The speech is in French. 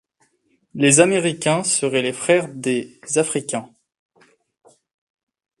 Les Américains seraient les frères des Africains.